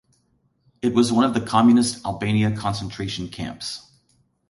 It was one of the Communist Albania concentration camps.